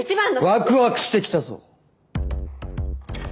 ワクワクしてきたぞ！